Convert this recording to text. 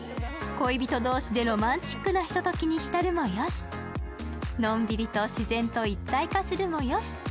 恋人同士でロマンチックなひとときに浸るもよしのんびりと自然と一体化するもよし。